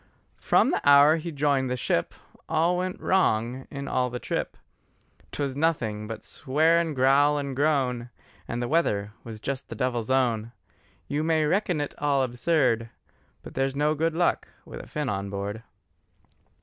From the hour he joined the ship, All went wrong in all the trip; 'Twas nothing but swear and growl and groan, And the weather was just the devil's own: You may reckon it all absurd, But there's no good luck with a Finn on board.